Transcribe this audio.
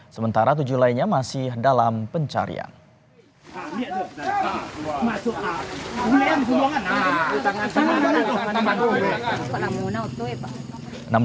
sementara tujuh lainnya masih dalam pencarian